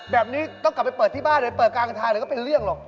แบบนี้ต้องกลับไปเปิดที่บ้านหรือเปิดกลางทางเลยก็เป็นเรื่องหรอก